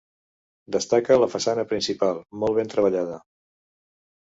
Destaca la façana principal, molt ben treballada.